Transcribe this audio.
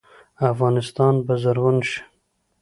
افغانستان به زرغون شي.